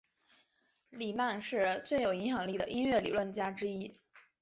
里曼是最有影响力的音乐理论家之一。